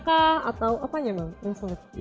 atau apa ya bang yang sulit